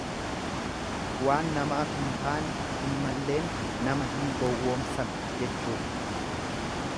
Waan namaaf hin taane hin malleen nama hin gowwoomsan jechuudha.